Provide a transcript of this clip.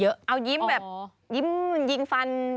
เอายิ้มแบบยิ้มยิงฟัน